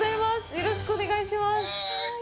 よろしくお願いします